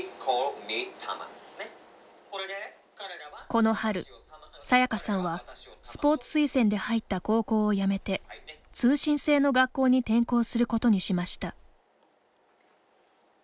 この春、さやかさんはスポーツ推薦で入った高校をやめて通信制の学校に転校することにしました。